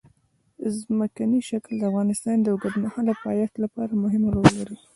ځمکنی شکل د افغانستان د اوږدمهاله پایښت لپاره مهم رول لري.